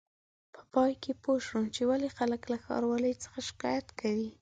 په پای کې پوه شوم چې ولې خلک له ښاروالۍ څخه شکایت کوي.